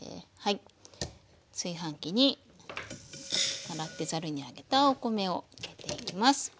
炊飯器に洗ってざるに上げたお米を入れていきます。